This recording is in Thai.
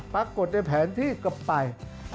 ปรากฏในแผนที่ก็ไป